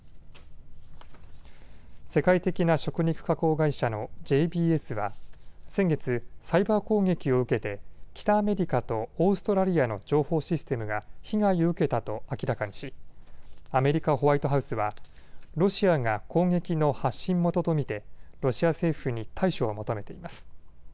世界的な食肉加工会社のＪＢＳは先月、サイバー攻撃を受けて北アメリカとオーストラリアの情報システムが被害を受けたと明らかにしアメリカ・ホワイトハウスはロシアが攻撃の発信元と見てロシア政府に対処を求めています。